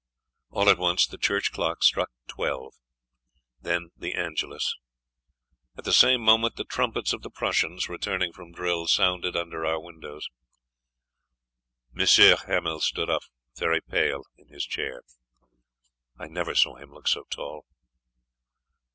All at once the church clock struck twelve. Then the Angelus. At the same moment the trumpets of the Prussians, returning from drill, sounded under our windows. M. Hamel stood up, very pale, in his chair. I never saw him look so tall.